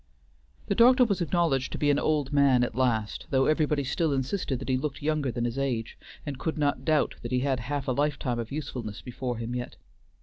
The doctor was acknowledged to be an old man at last, though everybody still insisted that he looked younger than his age, and could not doubt that he had half a lifetime of usefulness before him yet.